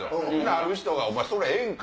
ある人が「お前それええんか？」